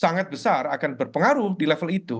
sangat besar akan berpengaruh di level itu